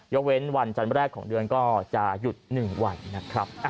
เว้นวันจันทร์แรกของเดือนก็จะหยุด๑วันนะครับ